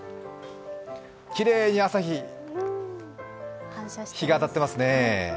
きれいに朝日、日が当たってますね。